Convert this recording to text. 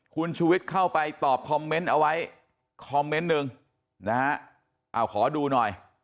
คุณชูวิทย์เข้าไปตอบคอมเมนต์เอาไว้คอมเมนต์หนึ่งนะฮะเอาขอดูหน่อย